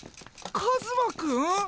カズマくん？